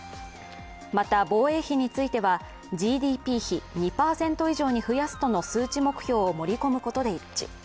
また、防衛費についてはＧＤＰ比２％以上に増やすとの数値目標を盛り込むことで一致。